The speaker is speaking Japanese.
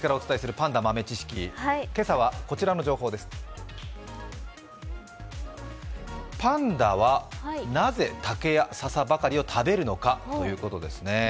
パンダはなぜ竹やささばかりを食べるのかということですね。